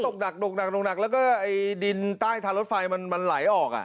ฝนตกหนักแล้วก็ดินใต้ทางรถไฟมันไหลออก